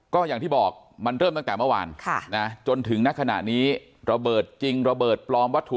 ก็อย่างที่บอกมันเริ่มตั้งแต่เมื่อวานจนถึงณขณะนี้ระเบิดจริงระเบิดปลอมวัตถุ